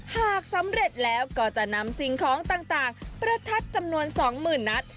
หากสำเร็จแล้วก็จะนำสิ่งของต่างประทัดจำนวน๒๐๐๐นัด